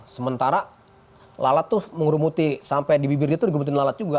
sementara lalat tuh menggurumuti sampai di bibirnya itu digurumutin lalat juga